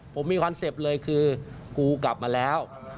ผมมีคอนเซ็ปต์เลยคือกูกลับมาแล้ว